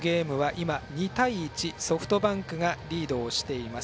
今２対１、ソフトバンクがリードをしています。